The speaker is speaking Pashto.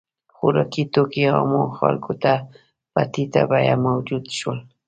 • خوراکي توکي عامو خلکو ته په ټیټه بیه موجود شول.